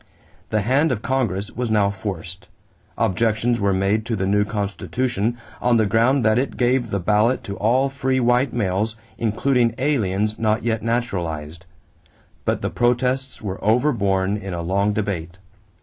The hand of Congress was now forced. Objections were made to the new constitution on the ground that it gave the ballot to all free white males, including aliens not yet naturalized; but the protests were overborne in a long debate.